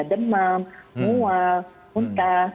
demam mua muntah